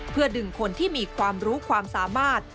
เพื่อดึงคนที่มีความรู้ความสามารถ